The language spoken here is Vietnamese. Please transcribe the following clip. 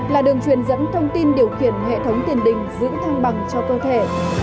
là đường truyền dẫn thông tin điều khiển hệ thống tiền đình giữ thăng bằng cho cơ thể